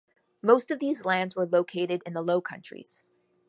Most of these lands were located in the Low Countries.